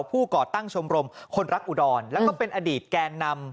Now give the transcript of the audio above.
ก่อตั้งชมรมคนรักอุดรแล้วก็เป็นอดีตแกนนำ